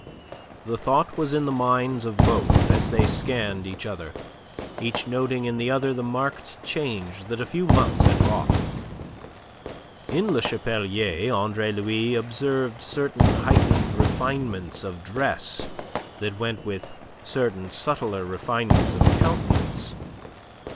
The thought was in the minds of both as they scanned each other, each noting in the other the marked change that a few months had wrought. In Le Chapelier, Andre Louis observed certain heightened refinements of dress that went with certain subtler refinements of countenance.